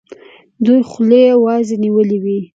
دوی خولې وازي نیولي وي.